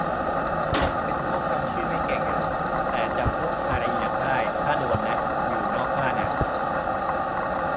ผมเป็นพวกจำชื่อไม่เก่งอ่ะ แต่จำพวกรายละเอียดได้ ถ้าโดนนะ อยู่นอกบ้านอ่ะ